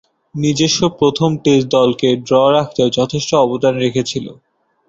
নিজস্ব প্রথম টেস্টে দলকে ড্র রাখতে যথেষ্ট অবদান রেখেছিলেন।